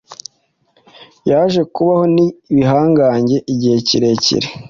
Yaje kubahonibihangange igihe kirekire